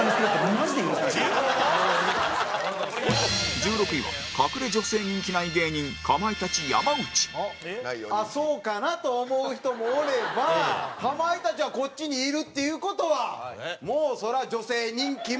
１６位は隠れ女性人気ない芸人かまいたち山内蛍原：そうかなと思う人もおればかまいたちはこっちにいるっていう事はもう、それは女性人気も。